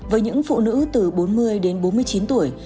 với những phụ nữ từ bốn mươi đến bốn mươi chín tuổi